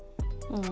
うん。